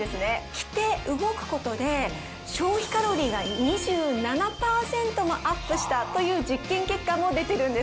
着て動くことで消費カロリーが２７％もアップしたという実験結果も出てるんです。